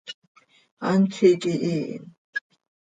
¡Hant z iiqui hiin!